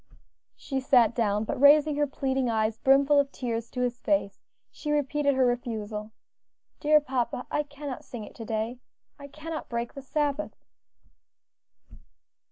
She sat down, but raising her pleading eyes, brimful of tears to his face, she repeated her refusal. "Dear papa, I cannot sing it to day. I cannot break the Sabbath."